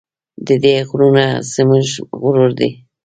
د دې غرونه زموږ غرور دی؟